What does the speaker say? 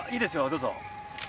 どうぞ。